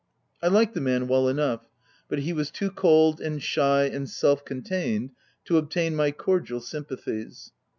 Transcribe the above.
I liked the man well enough, but he was too cold, and shy, and self contained, to obtain my cordial sympathies.